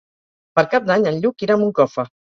Per Cap d'Any en Lluc irà a Moncofa.